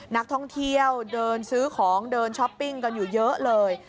นักท่องเที่ยวเดินซื้อของเดินช้อปปิ้งกันอยู่เยอะเลย